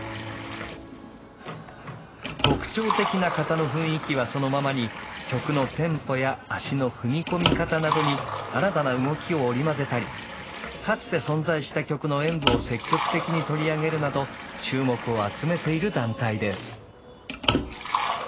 特徴的な型の雰囲気はそのままに曲のテンポや足の踏み込み方などに新たな動きを織り交ぜたりかつて存在した曲の演舞を積極的に取り上げるなど注目を集めている団体です。